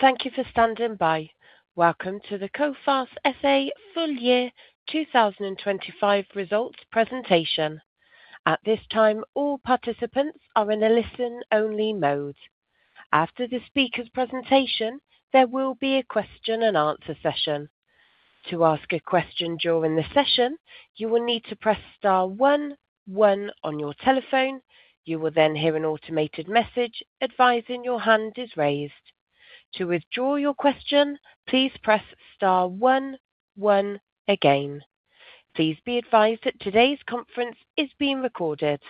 Thank you for standing by. Welcome to the Coface SA Full Year 2025 Results Presentation. At this time, all participants are in a listen-only mode. After the speaker's presentation, there will be a question and answer session. To ask a question during the session, you will need to press star one one on your telephone. You will then hear an automated message advising your hand is raised. To withdraw your question, please press star one one again. Please be advised that today's conference is being recorded.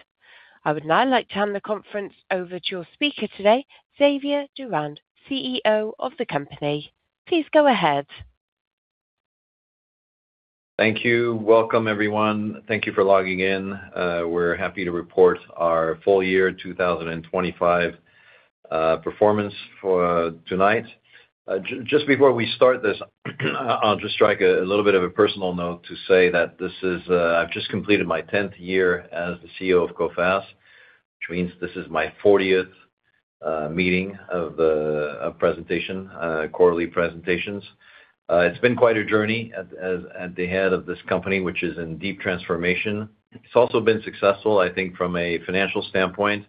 I would now like to hand the conference over to your speaker today, Xavier Durand, CEO of the company. Please go ahead. Thank you. Welcome, everyone. Thank you for logging in. We're happy to report our full year 2025 performance for tonight. Just before we start this, I'll just strike a little bit of a personal note to say that this is, I've just completed my 10th year as the CEO of Coface, which means this is my 40th meeting of the quarterly presentations. It's been quite a journey at the head of this company, which is in deep transformation. It's also been successful, I think, from a financial standpoint.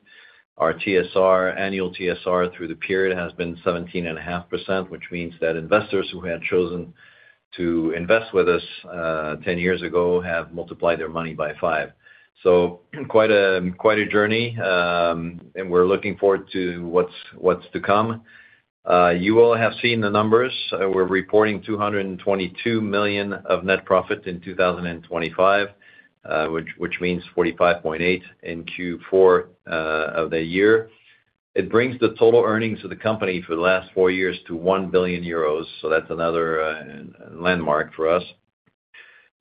Our TSR, annual TSR through the period has been 17.5%, which means that investors who had chosen to invest with us 10 years ago have multiplied their money by 5. So quite a journey, and we're looking forward to what's to come. You all have seen the numbers. We're reporting 222 million of net profit in 2025, which means 45.8 million in Q4 of the year. It brings the total earnings of the company for the last four years to 1 billion euros, so that's another landmark for us.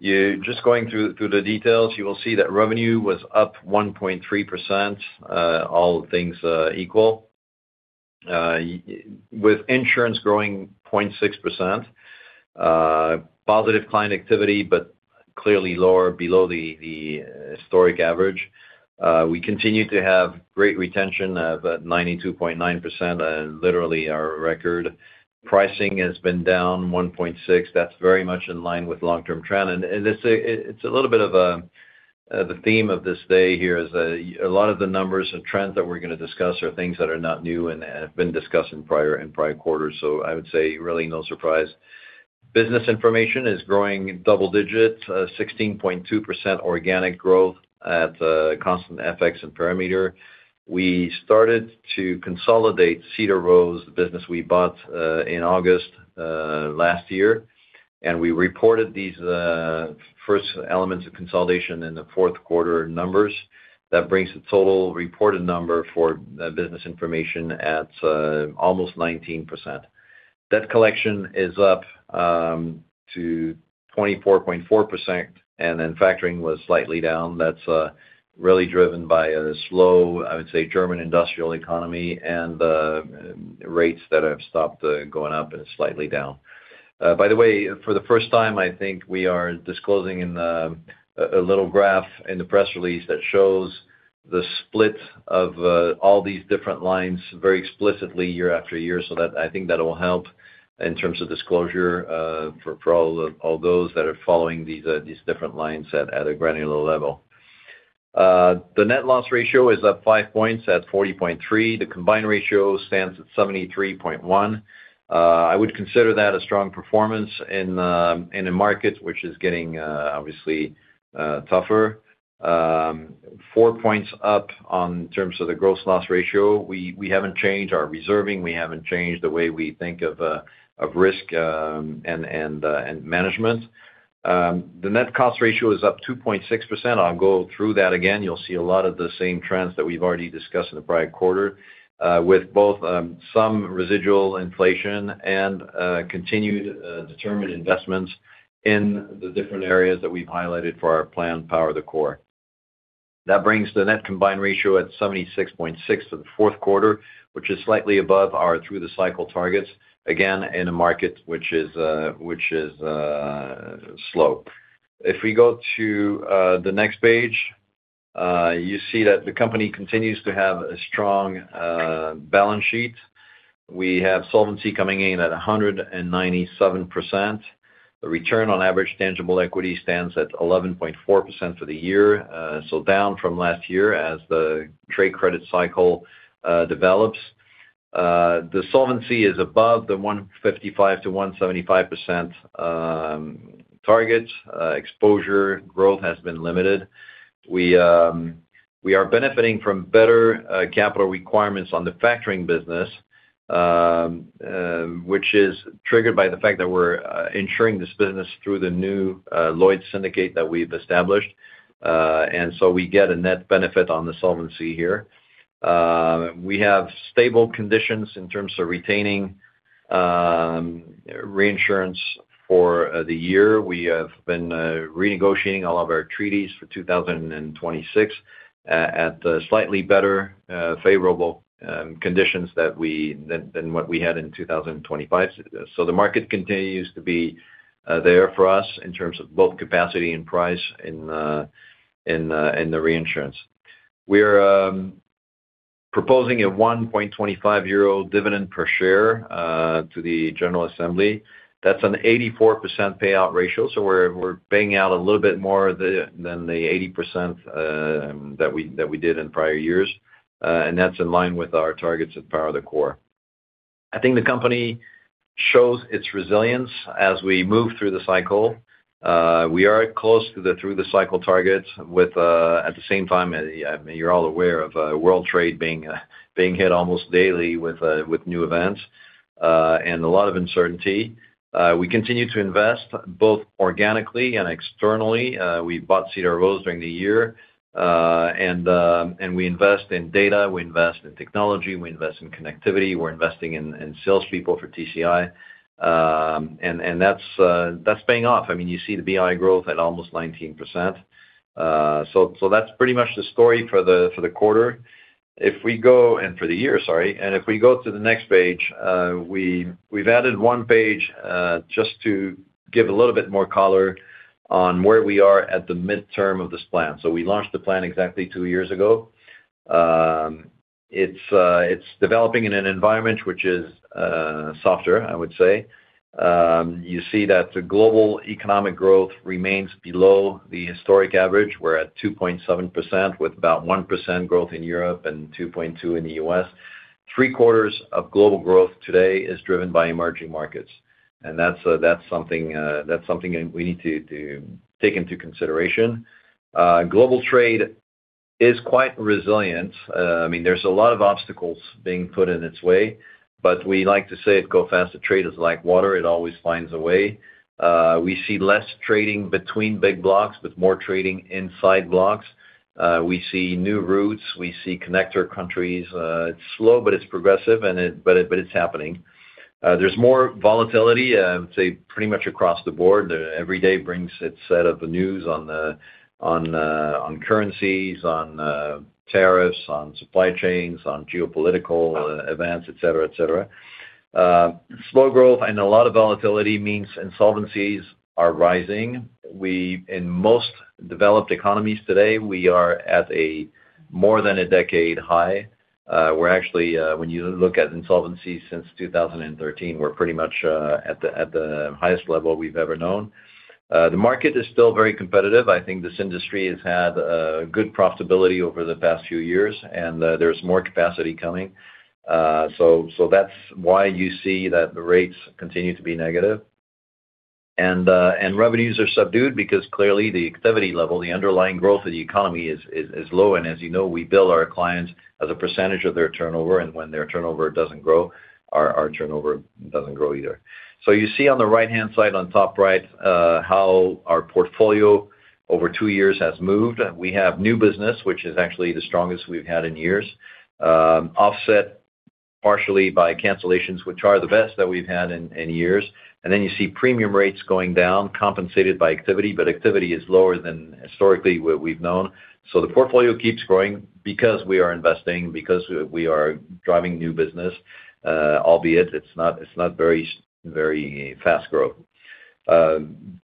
You, just going through the details, you will see that revenue was up 1.3%, all things equal. With insurance growing 0.6%, positive client activity, but clearly lower below the historic average. We continue to have great retention of 92.9%, literally our record. Pricing has been down 1.6%. That's very much in line with long-term trend. The theme of this day here is that a lot of the numbers and trends that we're going to discuss are things that are not new and have been discussed in prior quarters. So I would say really no surprise. Business information is growing double digits, 16.2% organic growth at constant FX and perimeter. We started to consolidate Cedar Rose business we bought in August last year, and we reported these first elements of consolidation in the fourth quarter numbers. That brings the total reported number for business information at almost 19%. Debt collection is up to 24.4%, and then factoring was slightly down. That's really driven by a slow, I would say, German industrial economy and the rates that have stopped going up and slightly down. By the way, for the first time, I think we are disclosing in the little graph in the press release that shows the split of all these different lines very explicitly year after year. So that, I think that will help in terms of disclosure for all those that are following these different lines at a granular level. The net loss ratio is up 5 points at 40.3. The combined ratio stands at 73.1. I would consider that a strong performance in a market which is getting obviously tougher. Four points up on terms of the gross loss ratio. We haven't changed our reserving. We haven't changed the way we think of risk and management. The net cost ratio is up 2.6%. I'll go through that again. You'll see a lot of the same trends that we've already discussed in the prior quarter, with both some residual inflation and continued determined investments in the different areas that we've highlighted for our plan, Power the Core. That brings the net combined ratio at 76.6 for the fourth quarter, which is slightly above our through the cycle targets, again, in a market which is slow. If we go to the next page, you see that the company continues to have a strong balance sheet. We have solvency coming in at 197%. The return on average tangible equity stands at 11.4 for the year, so down from last year as the trade credit cycle develops. The solvency is above the 155%-175% target. Exposure growth has been limited. We are benefiting from better capital requirements on the factoring business, which is triggered by the fact that we're insuring this business through the new Lloyd's syndicate that we've established. And so we get a net benefit on the solvency here. We have stable conditions in terms of retaining reinsurance for the year. We have been renegotiating all of our treaties for 2026 at the slightly better favorable conditions than what we had in 2025. So the market continues to be there for us in terms of both capacity and price in the reinsurance. We're proposing a 1.25 euro dividend per share to the general assembly. That's an 84% payout ratio, so we're paying out a little bit more than the 80% that we did in prior years. And that's in line with our targets at Power the Core. I think the company shows its resilience as we move through the cycle. We are close to the through the cycle targets with, at the same time, I mean, you're all aware of, world trade being hit almost daily with new events and a lot of uncertainty. We continue to invest both organically and externally. We bought Cedar Rose during the year, and we invest in data, we invest in technology, we invest in connectivity. We're investing in salespeople for TCI. And that's paying off. I mean, you see the BI growth at almost 19%. So that's pretty much the story for the quarter and for the year, sorry. And if we go to the next page, we've added one page, just to give a little bit more color on where we are at the midterm of this plan. So we launched the plan exactly two years ago. It's developing in an environment which is softer, I would say. You see that the global economic growth remains below the historic average. We're at 2.7%, with about 1% growth in Europe and 2.2 in the U.S. Three quarters of global growth today is driven by emerging markets, and that's something that we need to take into consideration. Global trade is quite resilient. I mean, there's a lot of obstacles being put in its way, but we like to say at Coface, that trade is like water, it always finds a way. We see less trading between big blocks, but more trading inside blocks. We see new routes, we see connector countries. It's slow, but it's progressive, and but it's happening. There's more volatility, I would say, pretty much across the board. Every day brings its set of news on currencies, on tariffs, on supply chains, on geopolitical events, et cetera, et cetera. Slow growth and a lot of volatility means insolvencies are rising. We, in most developed economies today, we are at a more than a decade high. We're actually, when you look at insolvency since 2013, we're pretty much at the highest level we've ever known. The market is still very competitive. I think this industry has had good profitability over the past few years, and there's more capacity coming. So, so that's why you see that the rates continue to be negative. And, and revenues are subdued because clearly the activity level, the underlying growth of the economy is low. And as you know, we bill our clients as a percentage of their turnover, and when their turnover doesn't grow, our turnover doesn't grow either. So you see on the right-hand side, on top right, how our portfolio over two years has moved. We have new business, which is actually the strongest we've had in years, offset partially by cancellations, which are the best that we've had in years. And then you see premium rates going down, compensated by activity, but activity is lower than historically what we've known. So the portfolio keeps growing because we are investing, because we are driving new business, albeit it's not very, very fast growth.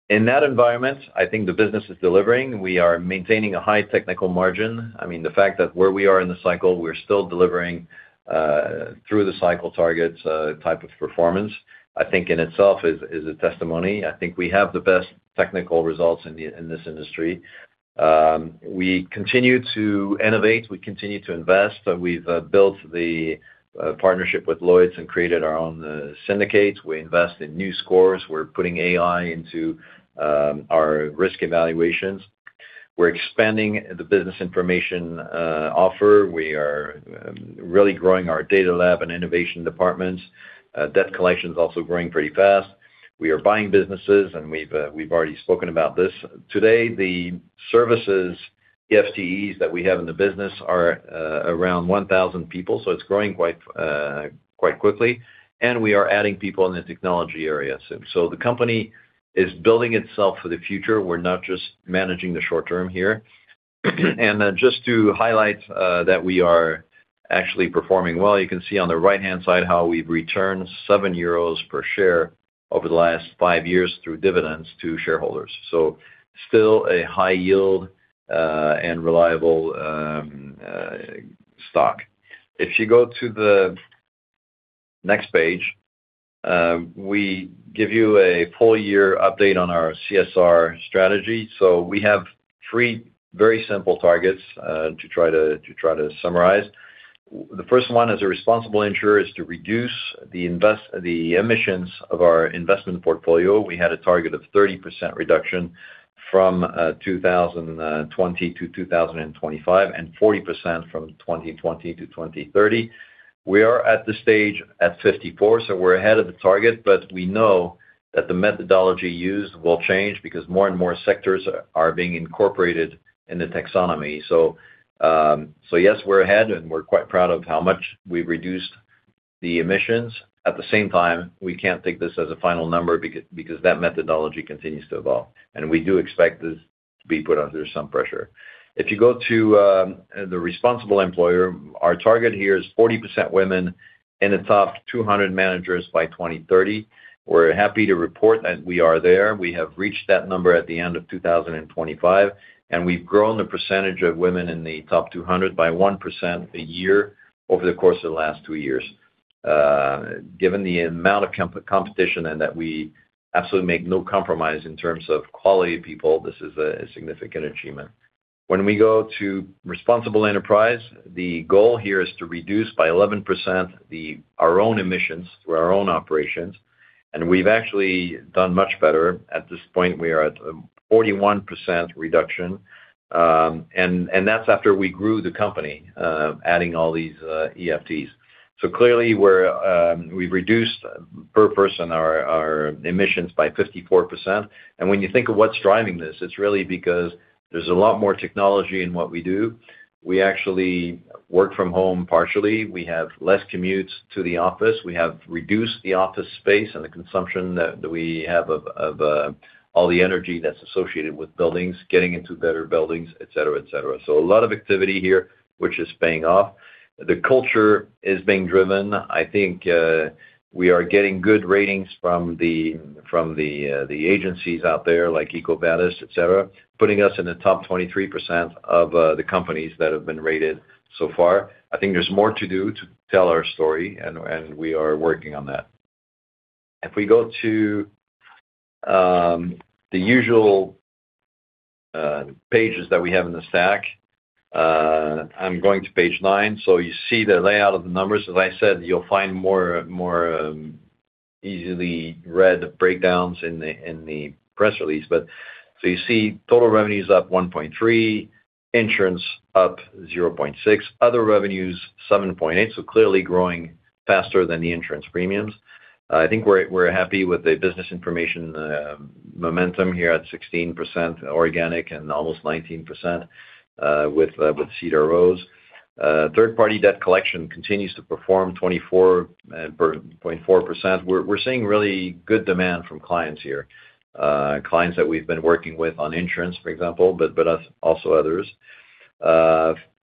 In that environment, I think the business is delivering. We are maintaining a high technical margin. I mean, the fact that where we are in the cycle, we're still delivering, through the cycle targets, type of performance, I think in itself is, is a testimony. I think we have the best technical results in the, in this industry. We continue to innovate, we continue to invest, and we've, built the, partnership with Lloyd's and created our own, syndicates. We invest in new scores. We're putting AI into, our risk evaluations. We're expanding the business information, offer. We are really growing our data lab and innovation departments. Debt collection is also growing pretty fast. We are buying businesses, and we've, we've already spoken about this. Today, the services, the FTEs that we have in the business are, around 1,000 people, so it's growing quite, quite quickly. And we are adding people in the technology area. So the company is building itself for the future. We're not just managing the short term here. And then just to highlight that we are actually performing well, you can see on the right-hand side how we've returned 7 euros per share over the last five years through dividends to shareholders. So still a high yield and reliable stock. If you go to the next page, we give you a full year update on our CSR strategy. So we have three very simple targets to try to summarize. The first one as a responsible insurer is to reduce the emissions of our investment portfolio. We had a target of 30% reduction from 2020 to 2025, and 40% from 2020 to 2030. We are at the stage at 54, so we're ahead of the target, but we know that the methodology used will change because more and more sectors are being incorporated in the taxonomy. So, so yes, we're ahead, and we're quite proud of how much we've reduced the emissions. At the same time, we can't take this as a final number because, because that methodology continues to evolve, and we do expect this to be put under some pressure. If you go to the responsible employer, our target here is 40% women in the top 200 managers by 2030. We're happy to report that we are there. We have reached that number at the end of 2025, and we've grown the percentage of women in the top 200 by 1% a year over the course of the last two years, given the amount of competition and that we absolutely make no compromise in terms of quality of people, this is a significant achievement. When we go to responsible enterprise, the goal here is to reduce by 11% our own emissions through our own operations, and we've actually done much better. At this point, we are at a 41% reduction, and that's after we grew the company, adding all these FTEs. So clearly, we've reduced per person our emissions by 54%. And when you think of what's driving this, it's really because there's a lot more technology in what we do. We actually work from home partially. We have less commutes to the office. We have reduced the office space and the consumption that we have of all the energy that's associated with buildings, getting into better buildings, et cetera, et cetera. So a lot of activity here, which is paying off. The culture is being driven. I think we are getting good ratings from the agencies out there, like EcoVadis, et cetera, putting us in the top 23% of the companies that have been rated so far. I think there's more to do to tell our story, and we are working on that. If we go to the usual pages that we have in the stack, I'm going to page 9. So you see the layout of the numbers. As I said, you'll find more easily read breakdowns in the press release. But so you see total revenue is up 1.3%, insurance up 0.6%, other revenues 7.8%, so clearly growing faster than the insurance premiums. I think we're happy with the business information momentum here at 16% organic and almost 19% with Cedar Rose. Third-party debt collection continues to perform 24.4%. We're seeing really good demand from clients here, clients that we've been working with on insurance, for example, but us also others.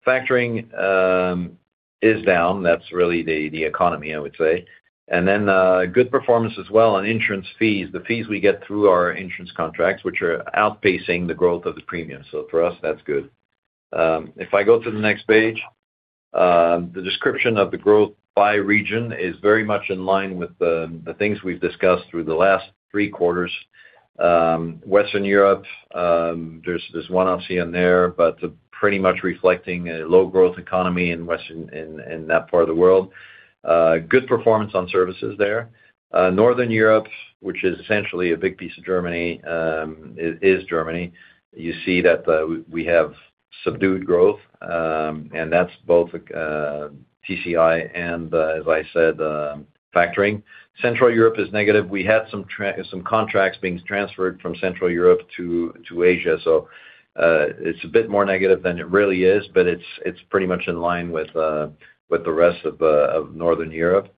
Factoring is down. That's really the economy, I would say. And then, good performance as well on insurance fees, the fees we get through our insurance contracts, which are outpacing the growth of the premium. So for us, that's good. If I go to the next page, the description of the growth by region is very much in line with the things we've discussed through the last three quarters. Western Europe, there's one off CM there, but pretty much reflecting a low growth economy in Western in that part of the world. Good performance on services there. Northern Europe, which is essentially a big piece of Germany, is Germany. You see that, we have subdued growth, and that's both TCI and, as I said, factoring. Central Europe is negative. We had some contracts being transferred from Central Europe to Asia. So, it's a bit more negative than it really is, but it's pretty much in line with the rest of Northern Europe.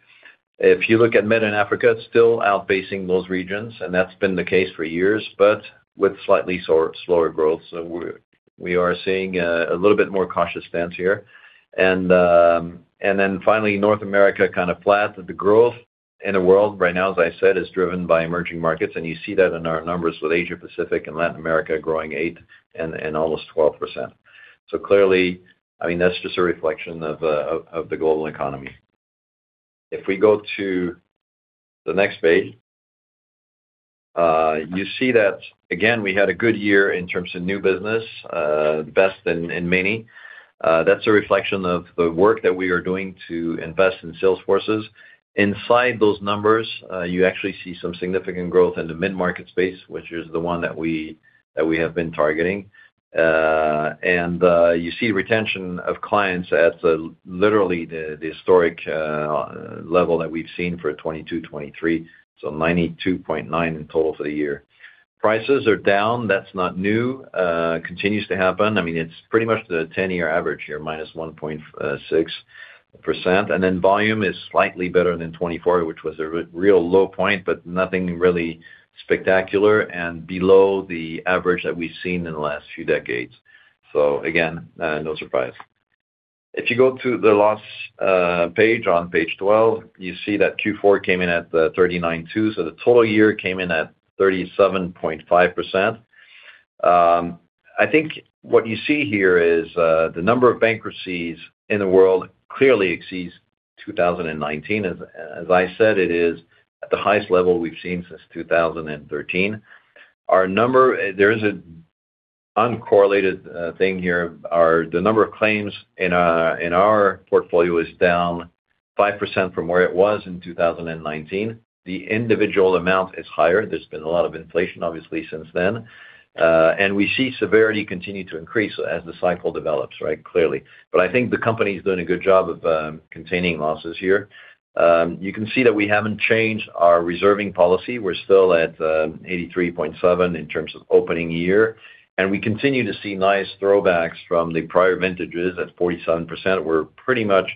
If you look at Med and Africa, it's still outpacing those regions, and that's been the case for years, but with slightly slower growth. So we're seeing a little bit more cautious stance here. And then finally, North America, kind of flat. The growth in the world right now, as I said, is driven by emerging markets, and you see that in our numbers with Asia Pacific and Latin America growing 8 and almost 12%. So clearly, I mean, that's just a reflection of the global economy. If we go to the next page, you see that again, we had a good year in terms of new business, best in many. That's a reflection of the work that we are doing to invest in sales forces. Inside those numbers, you actually see some significant growth in the mid-market space, which is the one that we have been targeting. You see retention of clients at the... literally the historic level that we've seen for 2022, 2023, so 92.9 in total for the year. Prices are down. That's not new, continues to happen. I mean, it's pretty much the 10-year average here, minus 1.6%. Then volume is slightly better than 2024, which was a real low point, but nothing really spectacular and below the average that we've seen in the last few decades. Again, no surprise. If you go to the last page, on page 12, you see that Q4 came in at 39.2, so the total year came in at 37.5%. I think what you see here is the number of bankruptcies in the world clearly exceeds 2019. As I said, it is at the highest level we've seen since 2013. Our number, there is an uncorrelated thing here. The number of claims in our portfolio is down 5% from where it was in 2019. The individual amount is higher. There's been a lot of inflation, obviously, since then. We see severity continue to increase as the cycle develops, right? Clearly. But I think the company's doing a good job of containing losses here. You can see that we haven't changed our reserving policy. We're still at 83.7 in terms of opening year, and we continue to see nice throwbacks from the prior vintages at 47%. We're pretty much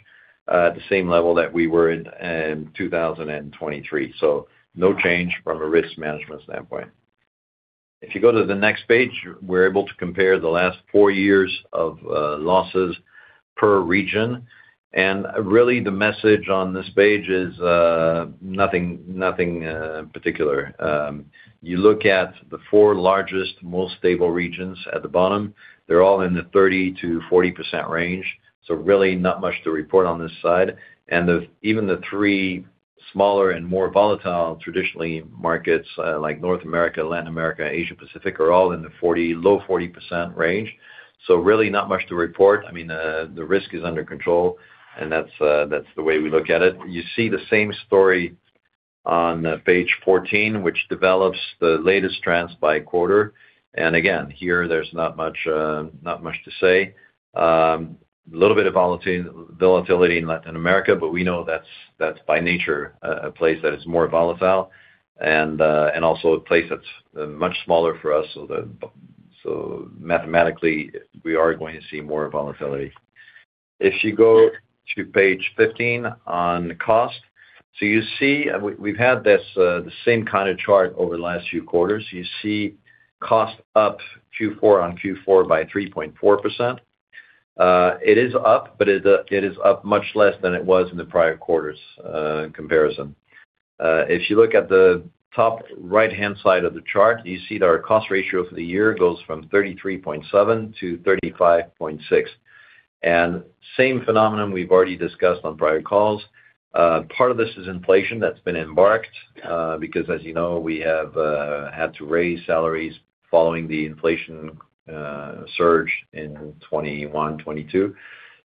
at the same level that we were in 2023. So no change from a risk management standpoint. If you go to the next page, we're able to compare the last four years of losses per region. Really, the message on this page is nothing particular. You look at the four largest, most stable regions at the bottom, they're all in the 30%-40% range, so really not much to report on this side. Even the three smaller and more volatile, traditionally, markets, like North America, Latin America, Asia Pacific, are all in the 40%, low 40% range. So really not much to report. I mean, the risk is under control, and that's the way we look at it. You see the same story on page 14, which develops the latest trends by quarter. And again, here, there's not much, not much to say. A little bit of volatility in Latin America, but we know that's, that's by nature, a place that is more volatile and also a place that's much smaller for us. So mathematically, we are going to see more volatility. If you go to page 15 on cost. So you see, and we, we've had this, the same kind of chart over the last few quarters. You see cost up Q4 on Q4 by 3.4%. It is up, but it is up much less than it was in the prior quarters comparison. If you look at the top right-hand side of the chart, you see that our cost ratio for the year goes from 33.7% to 35.6%. And same phenomenon we've already discussed on prior calls. Part of this is inflation that's been embarked, because as you know, we have had to raise salaries following the inflation surge in 2021, 2022.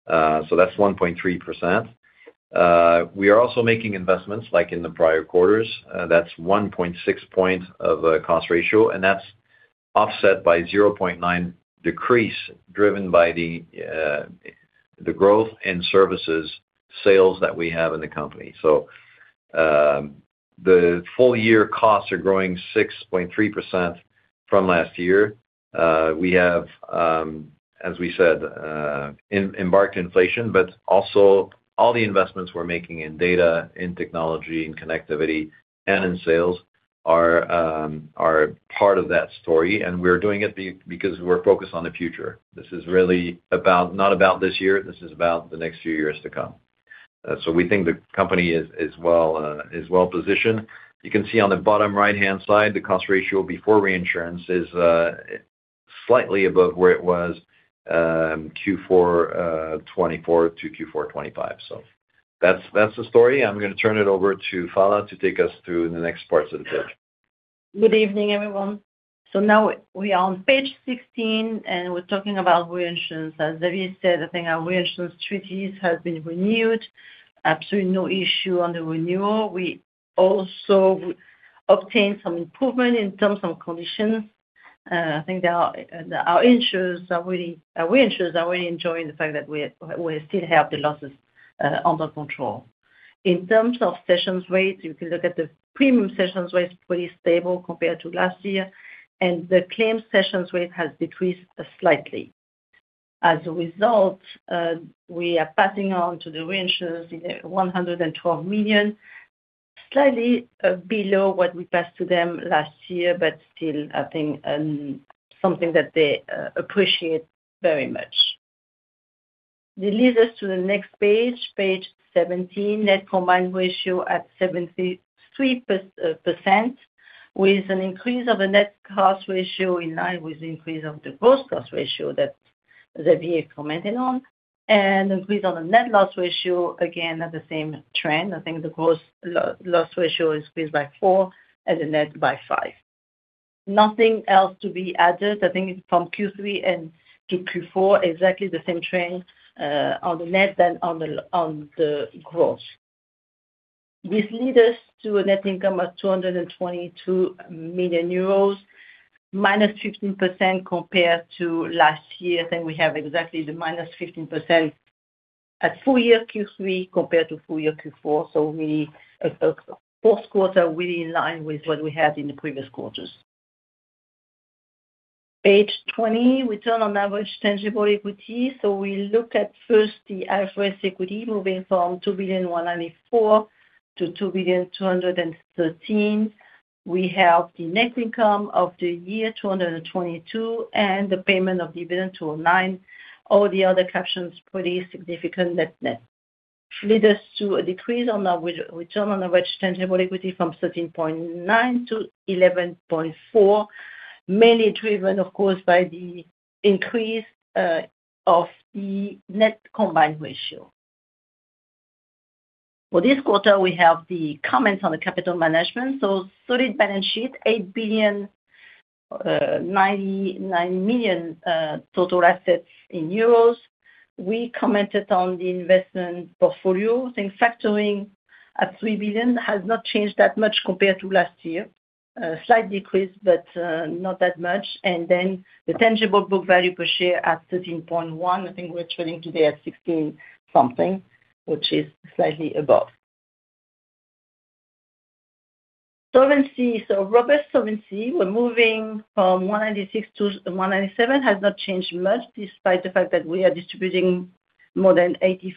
So that's 1.3%. We are also making investments like in the prior quarters. That's 1.6 points of cost ratio, and that's offset by 0.9 decrease, driven by the growth in services sales that we have in the company. So, the full-year costs are growing 6.3% from last year. We have, as we said, embedded inflation, but also all the investments we're making in data, in technology, in connectivity, and in sales are part of that story, and we're doing it because we're focused on the future. This is really about not about this year, this is about the next few years to come. So we think the company is well-positioned. You can see on the bottom right-hand side, the cost ratio before reinsurance is, slightly above where it was, Q4 2024 to Q4 2025. So that's, that's the story. I'm going to turn it over to Phalla to take us through the next parts of the deck. Good evening, everyone. Now we are on page 16, and we're talking about reinsurance. As Xavier said, I think our reinsurance treaties have been renewed. Absolutely no issue on the renewal. We also obtained some improvement in terms of conditions. I think our reinsurers are really enjoying the fact that we still have the losses under control. In terms of cession rates, you can look at the premium cession rate, pretty stable compared to last year, and the claim cession rate has decreased slightly. As a result, we are passing on to the reinsurers 112 million, slightly below what we passed to them last year, but still, I think, something that they appreciate very much. This leads us to the next page, page 17. Net combined ratio at 73%, with an increase of the net cost ratio in line with the increase of the gross cost ratio that Xavier commented on, and increase on the net loss ratio, again, at the same trend. I think the gross loss ratio is increased by 4 and the net by 5. Nothing else to be added. I think from Q3 and to Q4, exactly the same trend, on the net than on the gross. This lead us to a net income of 222 million euros, -15% compared to last year. I think we have exactly the -15% at full year Q3 compared to full year Q4. So we had a fourth quarter, really in line with what we had in the previous quarters. Page 20, return on average tangible equity. So we look at first the average equity moving from 2.194 billion-2.213 billion. We have the net income of the year, 222 million, and the payment of dividend to 9. All the other captions, pretty significant net-net. Leads us to a decrease on our return on average tangible equity from 13.9%-11.4%, mainly driven, of course, by the increase of the net combined ratio. For this quarter, we have the comments on the capital management. So solid balance sheet, 8.099 billion total assets in euros. We commented on the investment portfolio, I think factoring at 3 billion has not changed that much compared to last year. A slight decrease, but, not that much. And then the tangible book value per share at 13.1. I think we're trading today at 16 something, which is slightly above. Solvency so robust solvency, we're moving from 196 to 197, has not changed much despite the fact that we are distributing more than 84%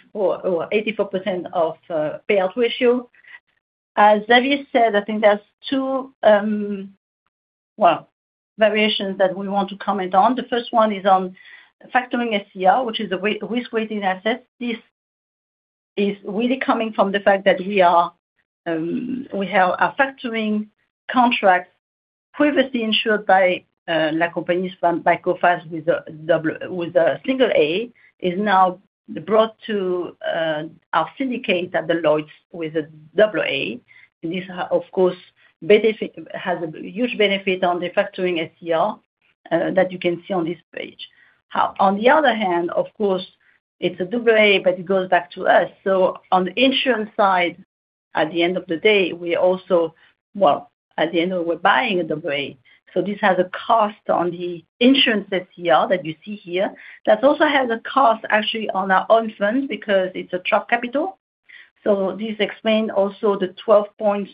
of payout ratio. As Xavier said, I think there's two, well, variations that we want to comment on. The first one is on factoring SCR, which is a risk-weighted asset. This is really coming from the fact that we have a factoring contract previously insured by La Compagnie by Coface with a single A, is now brought to our syndicate at Lloyd's with AA. And this, of course, has a huge benefit on the factoring SCR that you can see on this page. On the other hand, of course, it's a AA, but it goes back to us. So on the insurance side, at the end of the day, we also, well, at the end of we're buying a AA, so this has a cost on the insurance SCR that you see here. That also has a cost, actually, on our own fund because it's a true capital. So this explain also the 12 points,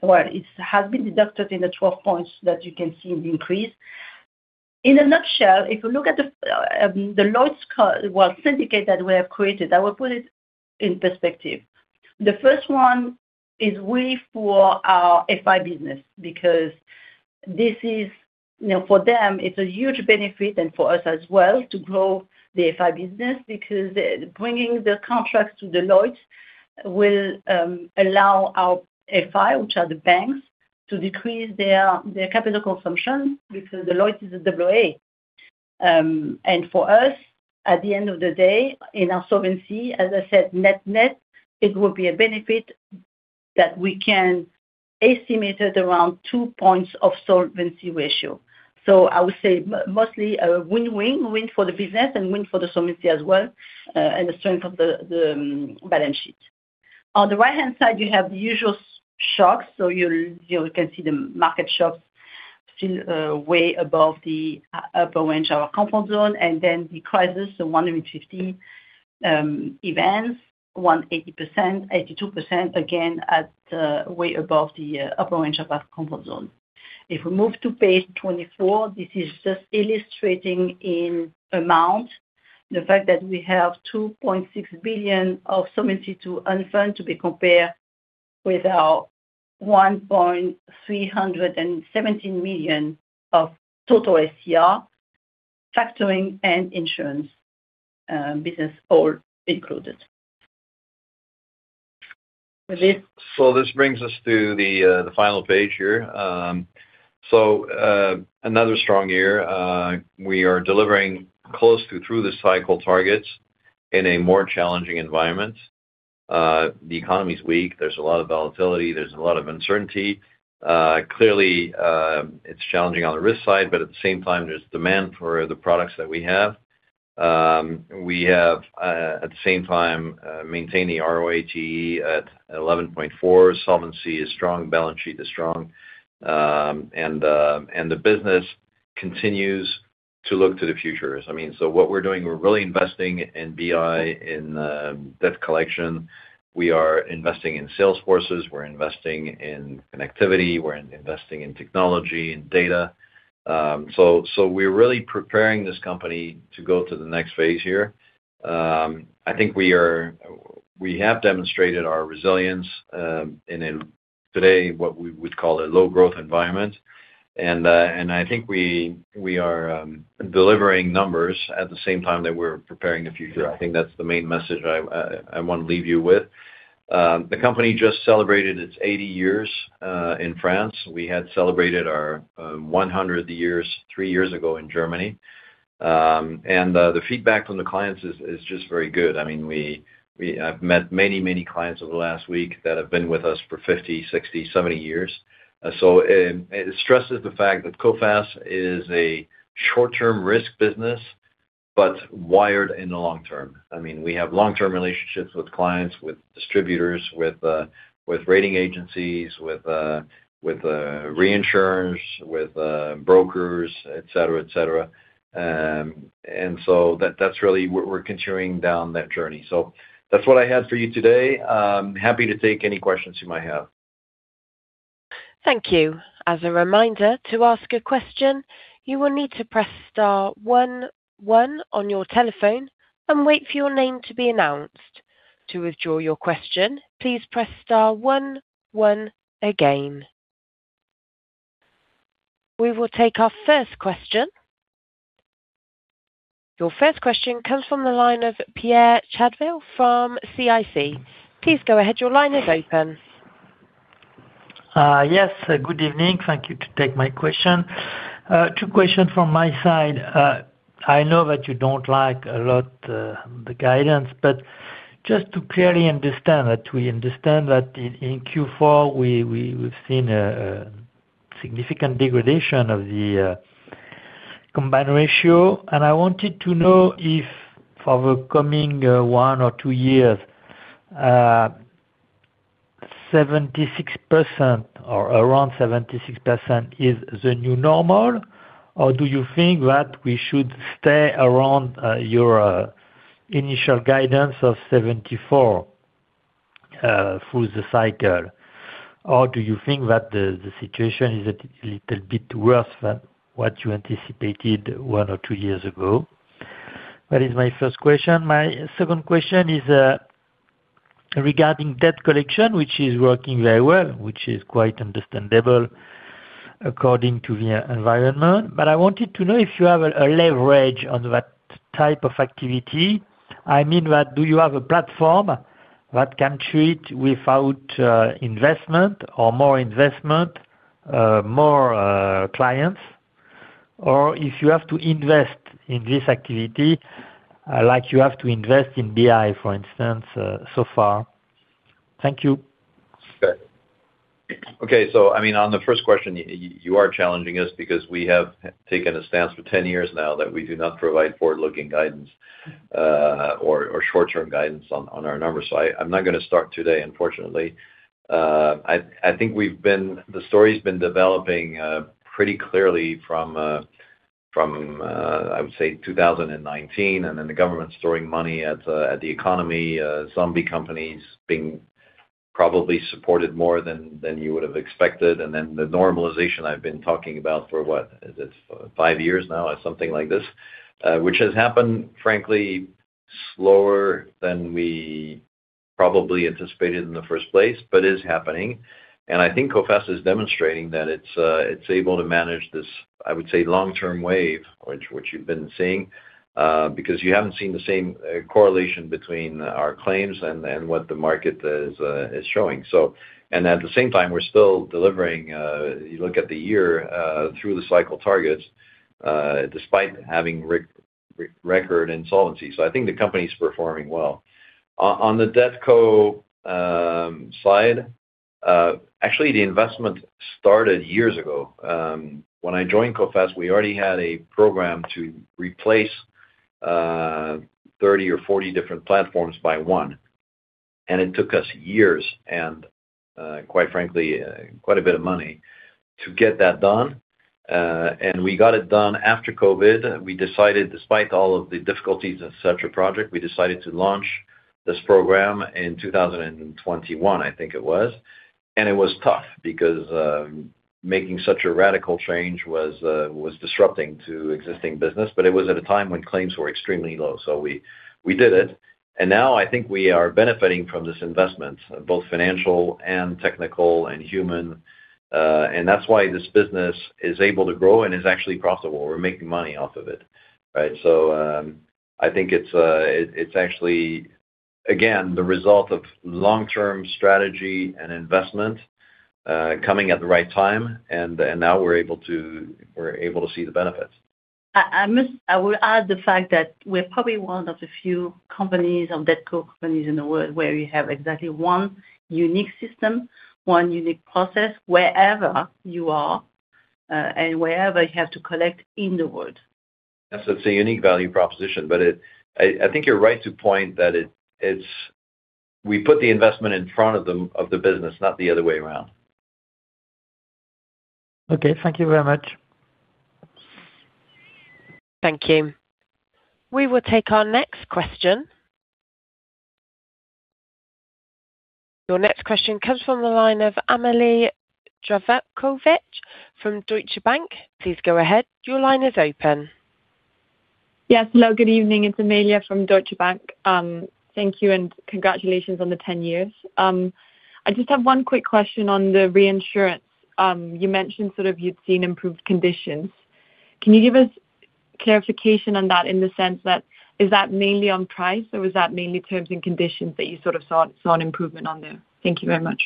where it has been deducted in the 12 points that you can see the increase. In a nutshell, if you look at the Lloyd's, well, syndicate that we have created, I will put it in perspective. The first one is we for our FI business, because this is, you know, for them, it's a huge benefit and for us as well, to grow the FI business. Because bringing the contracts to the Lloyd's will allow our FI, which are the banks, to decrease their, their capital consumption because the Lloyd's is a AA. And for us, at the end of the day, in our solvency, as I said, net-net, it will be a benefit that we can estimate at around two points of solvency ratio. So I would say mostly a win-win, win for the business and win for the solvency as well, and the strength of the balance sheet. On the right-hand side, you have the usual shocks, so you'll, you can see the market shocks still way above the upper range of our comfort zone, and then the crisis, the 150 events, 180%, 82%, again, at way above the upper range of our comfort zone. If we move to page 24, this is just illustrating in amount the fact that we have 2.6 billion of solvency to unfund, to be compared with our 137 million of total SCR, factoring and insurance business all included. Xavier? So this brings us to the final page here. So, another strong year. We are delivering close to through the cycle targets in a more challenging environment. The economy is weak. There's a lot of volatility, there's a lot of uncertainty. Clearly, it's challenging on the risk side, but at the same time, there's demand for the products that we have. We have, at the same time, maintained the ROATE at 11.4. Solvency is strong, balance sheet is strong, and the business continues to look to the future. I mean, so what we're doing, we're really investing in BI, in debt collection. We are investing in sales forces, we're investing in connectivity, we're investing in technology and data. So, we're really preparing this company to go to the next phase here. I think we have demonstrated our resilience, and in today, what we would call a low-growth environment. I think we are delivering numbers at the same time that we're preparing the future. I think that's the main message I want to leave you with. The company just celebrated its 80 years in France. We had celebrated our 100 years three years ago in Germany. The feedback from the clients is just very good. I mean, we've met many, many clients over the last week that have been with us for 50, 60, 70 years. So, it stresses the fact that Coface is a short-term risk business, but wired in the long term. I mean, we have long-term relationships with clients, with distributors, with rating agencies, with reinsurers, with brokers, et cetera, et cetera. And so that's really where we're continuing down that journey. So that's what I have for you today. Happy to take any questions you might have. Thank you. As a reminder, to ask a question, you will need to press star one, one on your telephone and wait for your name to be announced. To withdraw your question, please press star one, one again. We will take our first question. Your first question comes from the line of Pierre Chédeville from CIC. Please go ahead. Your line is open. Yes, good evening. Thank you to take my question. Two questions from my side. I know that you don't like a lot the guidance, but just to clearly understand that we understand that in Q4 we've seen a significant degradation of the combined ratio. And I wanted to know if for the coming one or two years, 76% or around 76% is the new normal, or do you think that we should stay around your initial guidance of 74% through the cycle? Or do you think that the situation is a little bit worse than what you anticipated one or two years ago? That is my first question. My second question is regarding debt collection, which is working very well, which is quite understandable according to the environment. But I wanted to know if you have a leverage on that type of activity. I mean, that do you have a platform that can treat without investment or more investment more clients? Or if you have to invest in this activity, like you have to invest in BI, for instance, so far. Thank you. Okay. Okay, so I mean, on the first question, you are challenging us because we have taken a stance for 10 years now that we do not provide forward-looking guidance, or short-term guidance on our numbers. So I'm not gonna start today, unfortunately. I think the story's been developing pretty clearly from 2019, and then the government throwing money at the economy, zombie companies being probably supported more than you would have expected. And then the normalization I've been talking about for what? Is it five years now or something like this? Which has happened, frankly, slower than we probably anticipated in the first place, but is happening. I think Coface is demonstrating that it's able to manage this, I would say, long-term wave, which you've been seeing, because you haven't seen the same correlation between our claims and what the market is showing. So, and at the same time, we're still delivering. You look at the year through the cycle targets, despite having record insolvency. So I think the company is performing well. On the DebtCo slide, actually, the investment started years ago. When I joined Coface, we already had a program to replace 30 or 40 different platforms by one, and it took us years, and quite frankly, quite a bit of money to get that done. And we got it done after COVID. We decided, despite all of the difficulties of such a project, we decided to launch this program in 2021, I think it was. It was tough because making such a radical change was disrupting to existing business, but it was at a time when claims were extremely low. We did it, and now I think we are benefiting from this investment, both financial and technical and human, and that's why this business is able to grow and is actually profitable. We're making money off of it, right? I think it's actually, again, the result of long-term strategy and investment coming at the right time, and now we're able to, we're able to see the benefits. I must—I will add the fact that we're probably one of the few companies or debtCo companies in the world where we have exactly one unique system, one unique process, wherever you are, and wherever you have to collect in the world. Yes, it's a unique value proposition, but I think you're right to point that it, it's - we put the investment in front of the business, not the other way around. Okay. Thank you very much. Thank you. We will take our next question. Your next question comes from the line of Amalie Zdravkovic from Deutsche Bank. Please go ahead. Your line is open. Yes. Hello, good evening. It's Amalie from Deutsche Bank. Thank you and congratulations on the 10 years. I just have one quick question on the reinsurance. You mentioned sort of, you'd seen improved conditions. Can you give us clarification on that in the sense that, is that mainly on price, or is that mainly terms and conditions that you sort of saw an improvement on there? Thank you very much.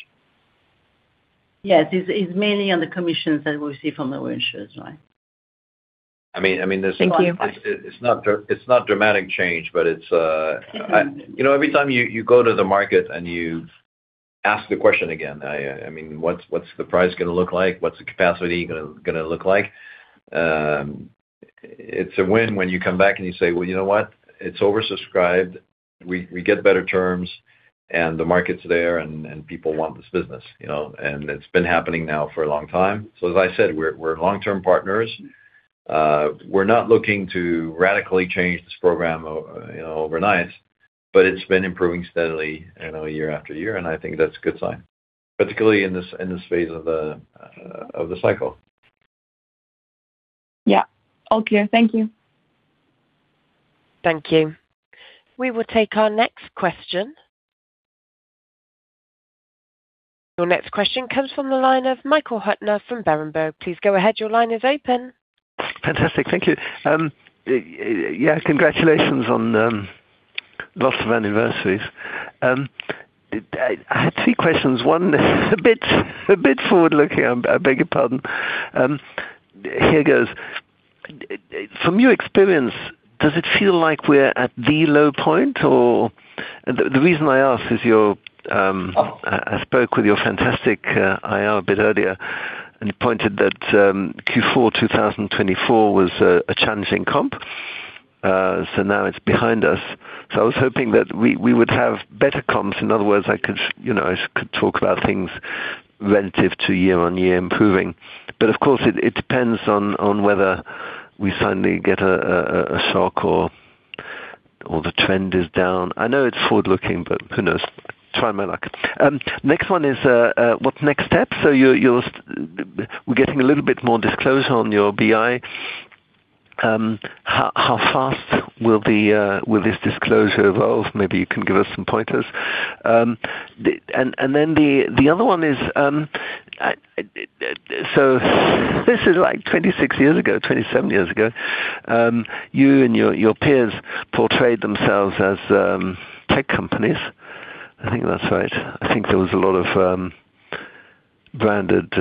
Yes, it's mainly on the commissions that we see from the reinsurers, right. I mean, I mean, there's- Thank you. It's not dramatic change, but it's, you know, every time you go to the market and you ask the question again, I mean, what's the price gonna look like? What's the capacity gonna look like? It's a win when you come back and you say, "Well, you know what? It's oversubscribed. We get better terms, and the market's there, and people want this business," you know, and it's been happening now for a long time. So as I said, we're long-term partners. We're not looking to radically change this program, you know, overnight, but it's been improving steadily, you know, year after year, and I think that's a good sign, particularly in this phase of the cycle. Yeah. All clear. Thank you. Thank you. We will take our next question. Your next question comes from the line of Michael Huttner from Berenberg. Please go ahead. Your line is open. Fantastic. Thank you. Yeah, congratulations on lots of anniversaries. I had three questions. One is a bit forward-looking. I beg your pardon. Here it goes. From your experience, does it feel like we're at the low point or... The reason I ask is I spoke with your fantastic IR a bit earlier, and you pointed that Q4 2024 was a challenging comp. So now it's behind us. So I was hoping that we would have better comps. In other words, I could, you know, I could talk about things relative to year-on-year improving, but of course, it depends on whether we finally get a shock or the trend is down. I know it's forward-looking, but who knows? Try my luck. Next one is, what next steps? So we're getting a little bit more disclosure on your BI. How fast will this disclosure evolve? Maybe you can give us some pointers. And then the other one is, so this is like 26 years ago, 27 years ago, you and your peers portrayed themselves as tech companies. I think that's right. I think there was a lot of branded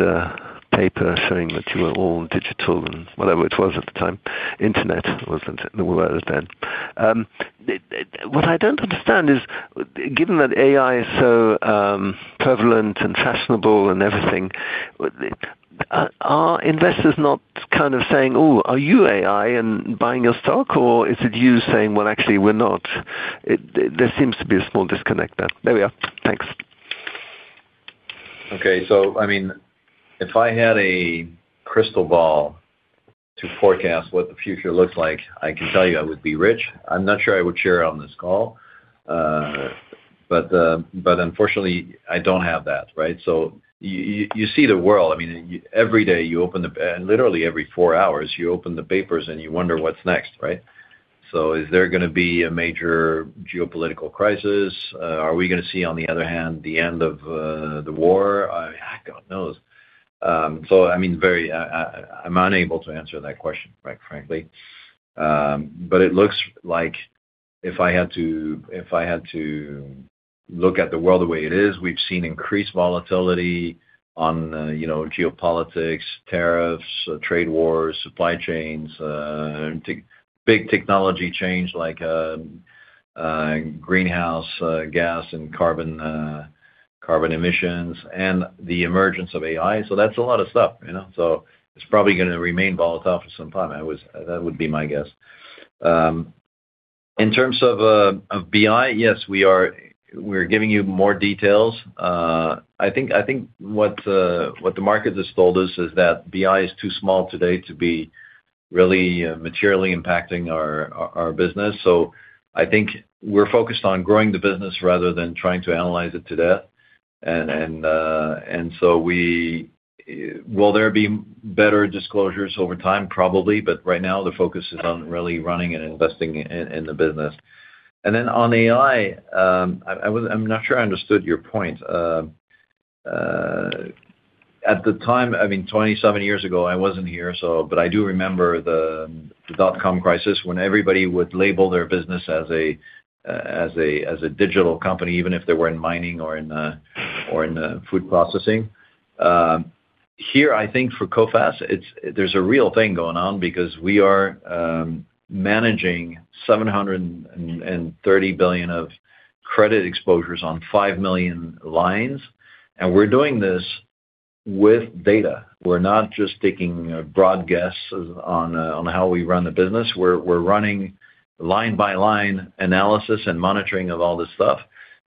paper showing that you were all digital and whatever it was at the time, internet wasn't the word then. What I don't understand is, given that AI is so prevalent and fashionable and everything, are investors not kind of saying, "Oh, are you AI" and buying your stock? Or is it you saying, "Well, actually, we're not?" There seems to be a small disconnect there. There we are. Thanks. Okay. So I mean, if I had a crystal ball to forecast what the future looks like, I can tell you I would be rich. I'm not sure I would share on this call. But unfortunately, I don't have that, right? So you see the world. I mean, you every day, you open the papers. Literally every four hours, you open the papers, and you wonder what's next, right? So is there gonna be a major geopolitical crisis? Are we gonna see, on the other hand, the end of the war? God knows. So I mean, I'm unable to answer that question, quite frankly. But it looks like if I had to, if I had to look at the world the way it is, we've seen increased volatility on, you know, geopolitics, tariffs, trade wars, supply chains, big technology change, like, greenhouse, gas and carbon, carbon emissions, and the emergence of AI. So that's a lot of stuff, you know? So it's probably gonna remain volatile for some time. I was... That would be my guess. In terms of, of BI, yes, we are, we're giving you more details. I think, I think what the, what the market has told us is that BI is too small today to be really, materially impacting our, our business. So I think we're focused on growing the business rather than trying to analyze it to death. Will there be better disclosures over time? Probably, but right now the focus is on really running and investing in the business. And then on AI, I'm not sure I understood your point. At the time, I mean, 27 years ago, I wasn't here, so, but I do remember the dotcom crisis, when everybody would label their business as a digital company, even if they were in mining or in food processing. Here, I think for Coface, it's, there's a real thing going on because we are managing 730 billion of credit exposures on 5 million lines, and we're doing this with data. We're not just taking a broad guess on how we run the business. We're running line-by-line analysis and monitoring of all this stuff.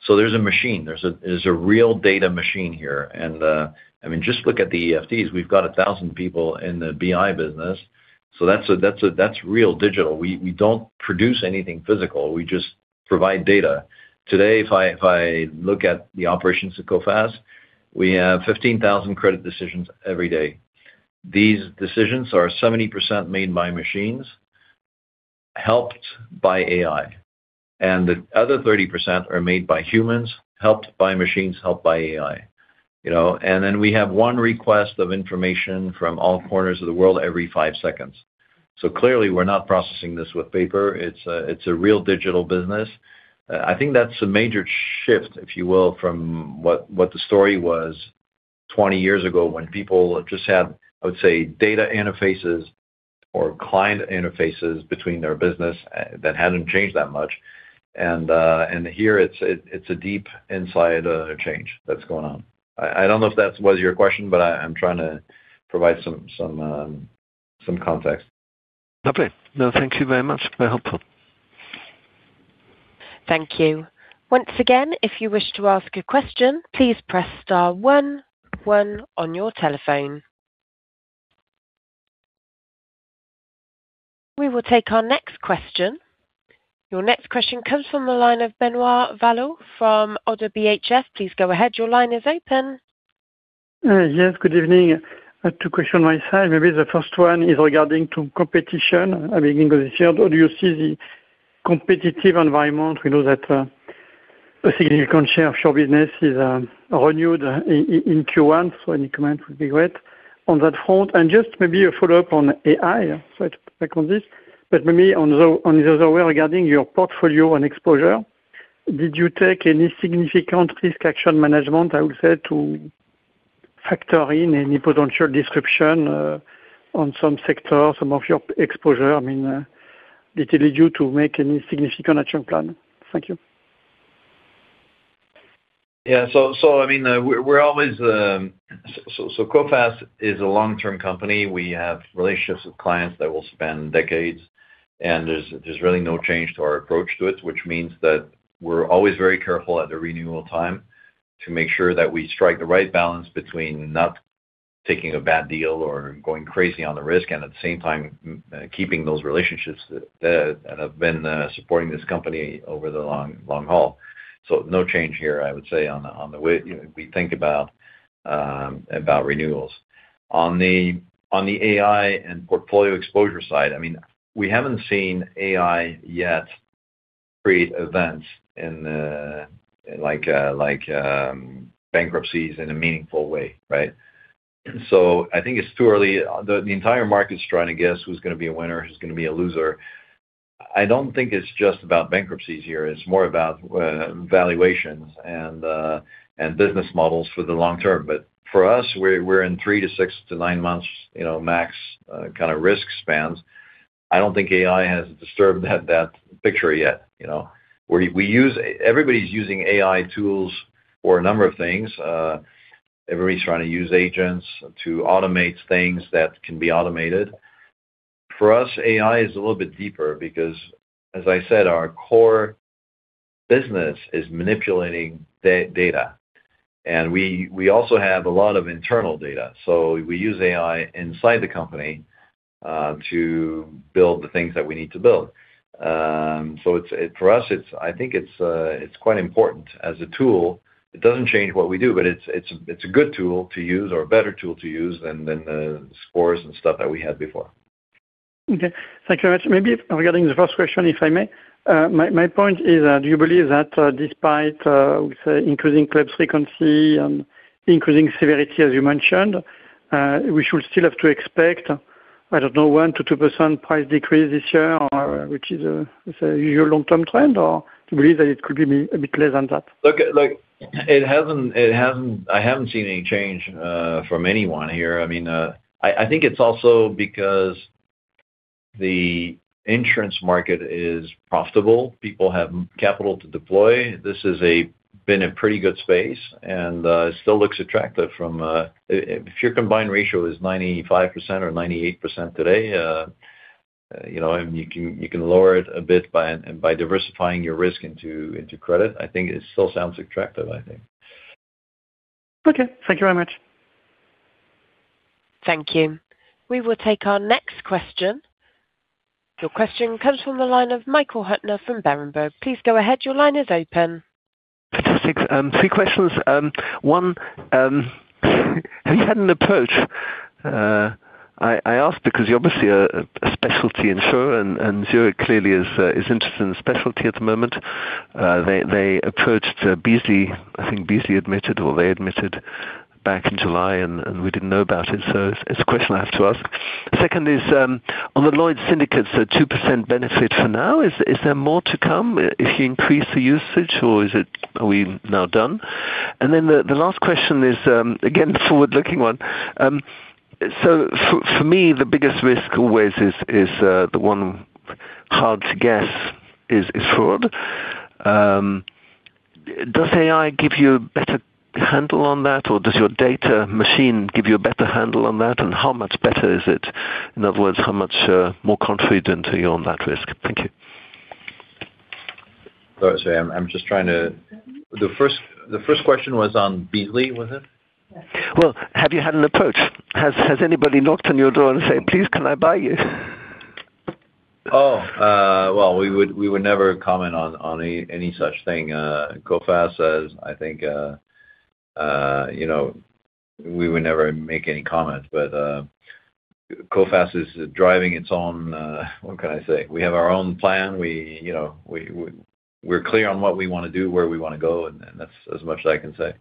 So there's a machine, there's a real data machine here, and I mean, just look at the EFTs. We've got 1,000 people in the BI business, so that's real digital. We don't produce anything physical; we just provide data. Today, if I look at the operations at Coface, we have 15,000 credit decisions every day. These decisions are 70% made by machines, helped by AI, and the other 30% are made by humans, helped by machines, helped by AI, you know? And then we have one request of information from all corners of the world every five seconds. So clearly, we're not processing this with paper. It's a real digital business. I think that's a major shift, if you will, from what the story was 20 years ago when people just had, I would say, data interfaces or client interfaces between their business that hadn't changed that much. And here, it's a deep inside change that's going on. I don't know if that was your question, but I'm trying to provide some context. Lovely. No, thank you very much. Very helpful. Thank you. Once again, if you wish to ask a question, please press star one one on your telephone. We will take our next question. Your next question comes from the line of Benoit Valleaux from ODDO BHF. Please go ahead. Your line is open. Yes, good evening. I have two questions on my side. Maybe the first one is regarding to competition at the beginning of this year. How do you see the competitive environment? We know that a significant share of your business is renewed in Q1, so any comment would be great on that front. And just maybe a follow-up on AI, so back on this, but maybe on the other way, regarding your portfolio and exposure, did you take any significant risk action management, I would say, to factor in any potential disruption on some sectors, some of your exposure? I mean, did it lead you to make any significant action plan? Thank you. Yeah. So, I mean, we're always... So, Coface is a long-term company. We have relationships with clients that will span decades, and there's really no change to our approach to it, which means that we're always very careful at the renewal time to make sure that we strike the right balance between not taking a bad deal or going crazy on the risk, and at the same time, keeping those relationships that have been supporting this company over the long, long haul. So no change here, I would say, on the way we think about renewals. On the AI and portfolio exposure side, I mean, we haven't seen AI yet create events like bankruptcies in a meaningful way, right? So I think it's too early. The entire market's trying to guess who's gonna be a winner, who's gonna be a loser. I don't think it's just about bankruptcies here, it's more about valuations and business models for the long term. But for us, we're in three to six to nine months, you know, max kind of risk spans. I don't think AI has disturbed that picture yet, you know? We use everybody's using AI tools for a number of things. Everybody's trying to use agents to automate things that can be automated. For us, AI is a little bit deeper because, as I said, our core business is manipulating data, and we also have a lot of internal data, so we use AI inside the company to build the things that we need to build. So, for us, I think it's quite important as a tool. It doesn't change what we do, but it's a good tool to use or a better tool to use than the scores and stuff that we had before. Okay. Thank you very much. Maybe regarding the first question, if I may. My, my point is, do you believe that, despite, with increasing claim frequency and increasing severity, as you mentioned, we should still have to expect, I don't know, 1%-2% price decrease this year, or which is a, is your long-term trend, or do you believe that it could be a bit less than that? Look, look, it hasn't—I haven't seen any change from anyone here. I mean, I think it's also because the insurance market is profitable. People have capital to deploy. This has been a pretty good space and still looks attractive from if your combined ratio is 95% or 98% today, you know, you can lower it a bit by diversifying your risk into credit. I think it still sounds attractive, I think. Okay. Thank you very much. Thank you. We will take our next question. Your question comes from the line of Michael Huttner from Berenberg. Please go ahead. Your line is open. Statistics, three questions. One, have you had an approach? I ask because you're obviously a specialty insurer, and Zurich clearly is interested in specialty at the moment. They approached Beazley. I think Beazley admitted, or they admitted back in July and we didn't know about it, so it's a question I have to ask. The second is on the Lloyd's syndicates, a 2% benefit for now, is there more to come if you increase the usage, or are we now done? And then the last question is again a forward-looking one. So for me, the biggest risk always is the one hard to guess is fraud. Does AI give you a better handle on that, or does your data machine give you a better handle on that, and how much better is it? In other words, how much more confident are you on that risk? Thank you. Sorry, I'm just trying to... The first question was on Beazley, was it? Well, have you had an approach? Has anybody knocked on your door and said: "Please, can I buy you? Oh, well, we would never comment on any such thing. Coface, as I think, you know, we would never make any comments, but Coface is driving its own, what can I say? We have our own plan. We, you know, we're clear on what we wanna do, where we wanna go, and that's as much as I can say.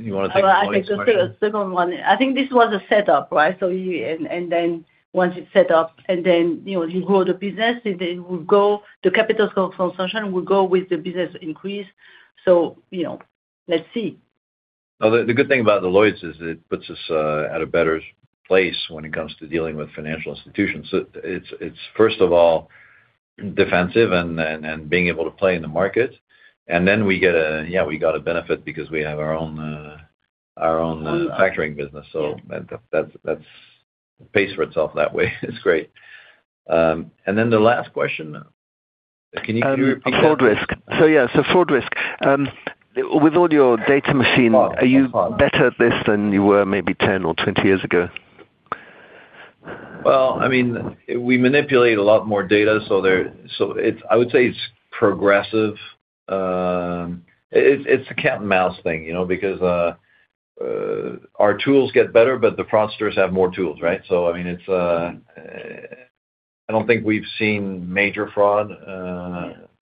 You wanna take the question. I can take the second one. I think this was a setup, right? So you and then once it's set up and then, you know, you grow the business, it will go, the capital consumption will go with the business increase. So, you know, let's see. The good thing about the Lloyd's is it puts us at a better place when it comes to dealing with financial institutions. So it's first of all, defensive and being able to play in the market, and then we get, yeah, we got a benefit because we have our own factoring business. So that pays for itself that way. It's great. And then the last question, can you repeat again? Fraud risk. So yeah, so fraud risk. With all your data machine, are you better at this than you were maybe 10 or 20 years ago? Well, I mean, we manipulate a lot more data, so it's progressive. It's a cat and mouse thing, you know, because our tools get better, but the fraudsters have more tools, right? So I mean, it's... I don't think we've seen major fraud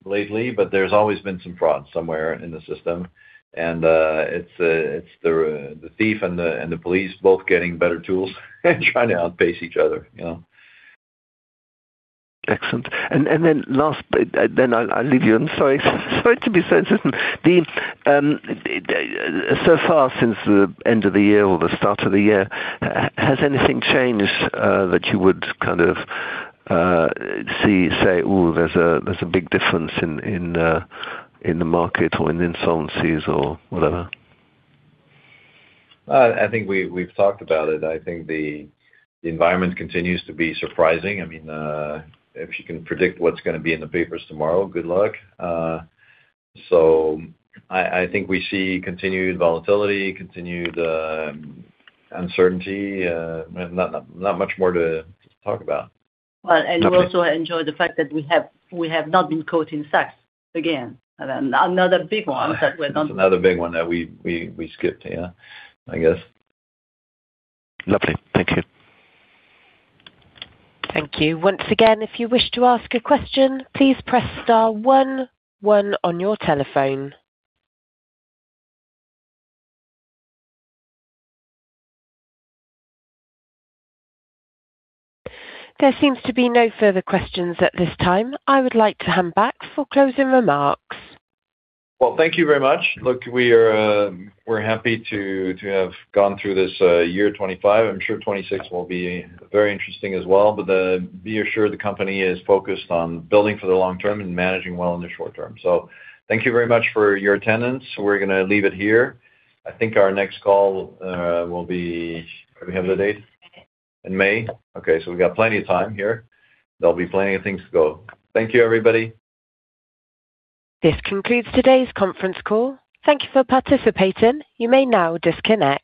lately, but there's always been some fraud somewhere in the system, and it's the thief and the police both getting better tools and trying to outpace each other, you know? Excellent. And then last, I'll leave you. I'm sorry. Sorry to be so insistent. So far since the end of the year or the start of the year, has anything changed that you would kind of see, say, "Oh, there's a big difference in the market or in insolvencies or whatever? I think we've talked about it. I think the environment continues to be surprising. I mean, if you can predict what's gonna be in the papers tomorrow, good luck. So I think we see continued volatility, continued uncertainty, not much more to talk about. Well, and we also enjoy the fact that we have, we have not been caught in Saks again. Another big one, but we're not- Another big one that we skipped, yeah, I guess. Lovely. Thank you. Thank you. Once again, if you wish to ask a question, please press star one one on your telephone. There seems to be no further questions at this time. I would like to hand back for closing remarks. Well, thank you very much. Look, we are, we're happy to, to have gone through this year 2025. I'm sure 2026 will be very interesting as well, but, be assured the company is focused on building for the long term and managing well in the short term. So thank you very much for your attendance. We're gonna leave it here. I think our next call will be... Do we have the date? In May. Okay, so we've got plenty of time here. There'll be plenty of things to go. Thank you, everybody. This concludes today's conference call. Thank you for participating. You may now disconnect.